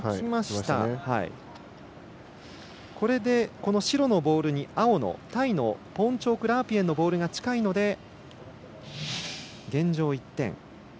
これで白のボールに青のタイのポーンチョーク・ラープイェンのボールが近いので、現状１点。